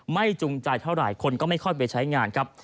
จูงใจเท่าไหร่คนก็ไม่ค่อยไปใช้งานครับ